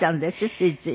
ついつい。